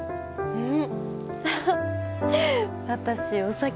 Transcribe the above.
うん。